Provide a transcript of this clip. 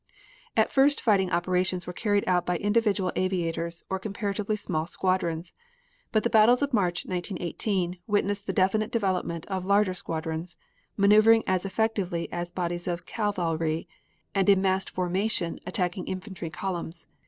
At first fighting operations were carried out by individual aviators or comparatively small squadrons, but the battles of March, 1918, witnessed the definite development of larger squadrons, maneuvering as effectively as bodies of cavalry, and in massed formation attacking infantry columns.